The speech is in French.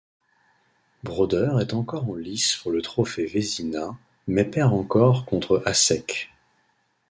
Brodeur est encore en lice pour le trophée Vézina mais perd encore contre Hašek.